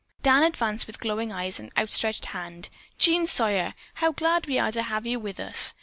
Dan advanced with glowing eyes and outstretched hand. "Jean Sawyer! How glad we are to have you with us.